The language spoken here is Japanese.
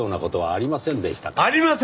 ありません！！